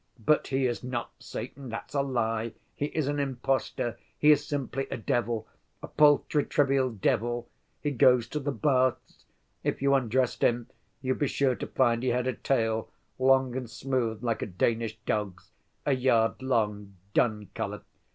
But he is not Satan: that's a lie. He is an impostor. He is simply a devil—a paltry, trivial devil. He goes to the baths. If you undressed him, you'd be sure to find he had a tail, long and smooth like a Danish dog's, a yard long, dun color....